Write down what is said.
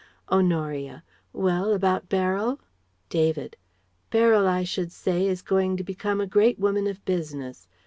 Honoria: "Well, about Beryl?" David: "Beryl, I should say, is going to become a great woman of business.